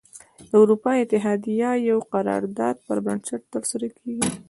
د اروپا اتحادیه د یوه قرار داد پر بنسټ تره سره کیږي.